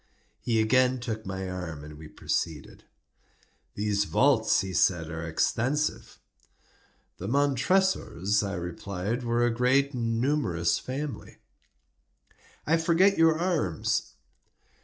He again took my arm, and we proceeded. "These vaults," he said, "are extensive." "The Montresors," I replied, "were a great and numerous family." "I forget your arms."